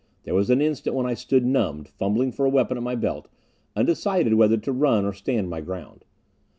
There was an instant when I stood numbed, fumbling for a weapon at my belt, undecided whether to run or stand my ground.